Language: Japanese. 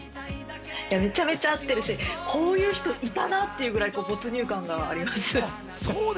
めちゃめちゃ合ってるし、こういう人いたなぁっていうくらい没入感がありました。